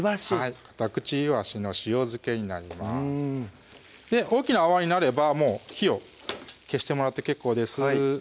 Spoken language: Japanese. カタクチイワシの塩漬けになります大きな泡になればもう火を消してもらって結構です